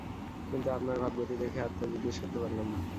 কিন্তু আপনার ভাবগতি দেখে আর তা জিজ্ঞেস করতে পারলাম না।